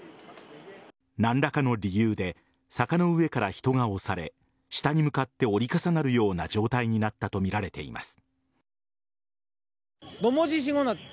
何らかの理由で坂の上から人が押され下に向かって折り重なるような状態になったとみられています。